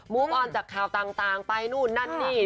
ออนจากข่าวต่างไปนู่นนั่นนี่